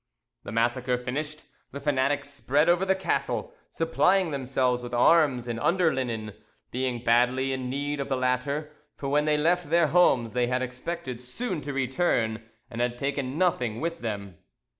The massacre finished, the fanatics spread over the castle, supplying themselves with arms and under linen, being badly in need of the latter; for when they left their homes they had expected soon to return, and had taken nothing with them.